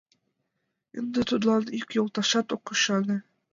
Ынде тудлан ик йолташат ок ӱшане.